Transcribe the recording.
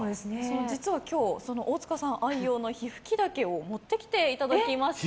実は今日大塚さん愛用の火吹き竹を持ってきていただきました。